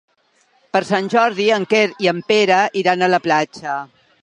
Per Sant Jordi en Quer i en Pere iran a la platja.